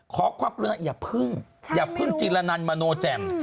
ขอบความคิดว่าอย่าพึ่งอย่าพึ่งจิลละนันมโนแจม